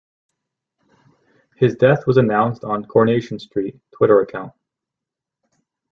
His death was announced on "Coronation Street" Twitter account.